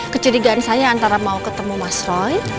kecurigaan saya antara mau ketemu mas roy